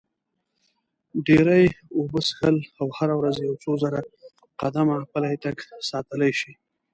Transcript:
ډېرې اوبه څښل او هره ورځ یو څو زره قدمه پلی تګ ساتلی شي.